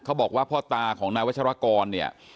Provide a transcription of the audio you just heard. บอกว่าพ่อตาของนายวัชรกรเนี่ย